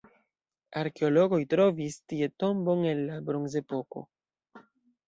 Arkeologoj trovis tie tombon el la bronzepoko.